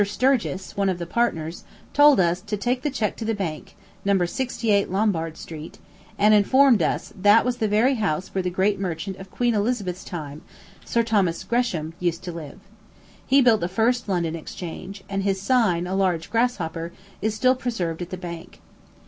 Sturgis, one of the partners, told us to take the check to the bank, No. 68 Lombard Street, and informed us that was the very house where the great merchant of Queen Elizabeth's time Sir Thomas Gresham used to live. He built the first London Exchange, and his sign, a large grasshopper, is still preserved at the bank.